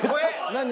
何？